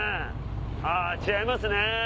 あ違いますね。